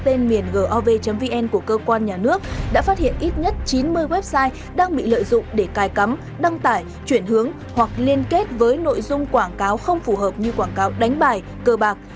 tên miền gov vn của cơ quan nhà nước đã phát hiện ít nhất chín mươi website đang bị lợi dụng để cài cắm đăng tải chuyển hướng hoặc liên kết với nội dung quảng cáo không phù hợp như quảng cáo đánh bài cơ bạc